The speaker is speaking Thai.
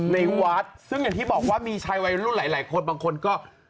ในวัดซึ่งอย่างที่บอกว่ามีชายวัยรุ่นหลายคนบางคนก็